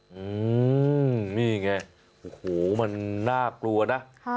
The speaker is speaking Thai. อืมนี่ไงโอ้โหมันน่ากลัวนะ